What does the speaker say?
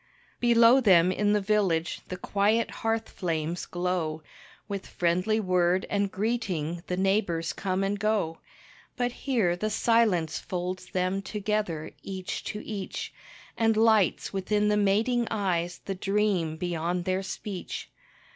Below them in the village the quiet hearth flames glow, With friendly word and greeting the neighbours come and go, But here the silence folds them together, each to each, And lights within the mating eyes the dream beyond their speech.